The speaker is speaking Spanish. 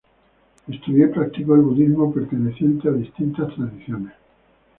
Estudió y practicó el budismo perteneciente a distintas tradiciones.